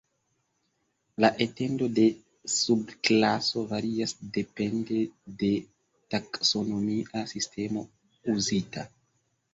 La etendo de subklaso varias depende de taksonomia sistemo uzita.